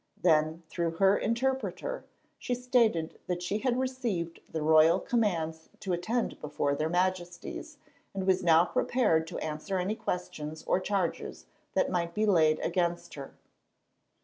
Then, through her interpreter, she stated that she had received the royal commands to attend before their Majesties, and was now prepared to answer any questions or charges that might be laid against her.